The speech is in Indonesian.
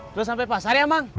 terus sampai pasar ya mang